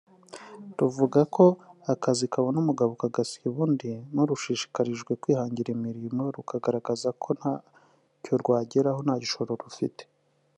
ruvuga ko akazi kabona umugabo kagasiba undi n’urushishikarijwe kwihangira imirimo rukagaragaza ko ntacyo rwageraho nta gishoro rufite